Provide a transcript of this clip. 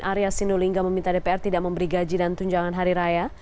arya sinulinga meminta dpr tidak memberi gaji dan tunjangan hari raya